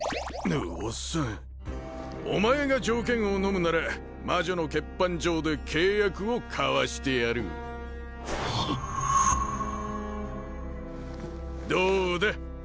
おっさんお前が条件をのむなら魔女の血判状で契約を交わしてやるどうだ？